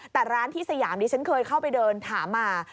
แต่ร้านที่สยามดิฉันเคยเข้าไปเดินถามมา